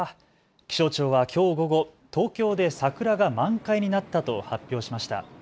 気象庁はきょう午後、東京で桜が満開になったと発表しました。